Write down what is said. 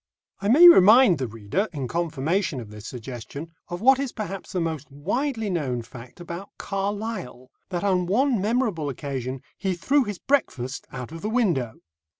I may remind the reader, in confirmation of this suggestion, of what is perhaps the most widely known fact about Carlyle, that on one memorable occasion he threw his breakfast out of the window.